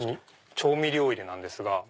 調味料入れなんですが。